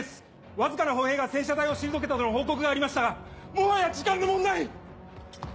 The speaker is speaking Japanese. わずかな歩兵が戦車隊を退けたとの報告がありましたがもはや時間の問題！